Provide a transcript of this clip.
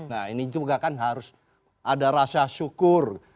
nah ini juga kan harus ada rasa syukur